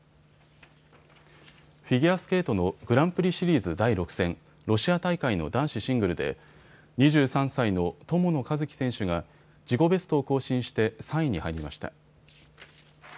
フィギュアスケートのグランプリシリーズ第６戦、ロシア大会の男子シングルで２３歳の友野一希選手が自己ベストを更新して３位に入りました。